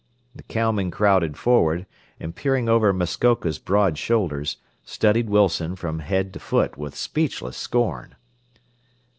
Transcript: The cowmen crowded forward, and peering over Muskoka's board shoulders, studied Wilson from head to foot with speechless scorn.